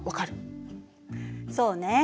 そうね。